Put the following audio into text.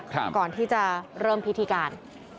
ก่อนที่จะเริ่มพิธีการ